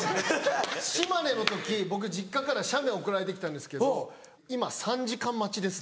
島根の時僕実家から写メ送られて来たんですけど「今３時間待ちです」。